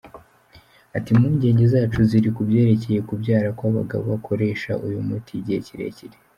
Ati “Impungenge zacu ziri ku byerekeye kubyara kw’abagabo bakoresha uyu muti igihe kirekire.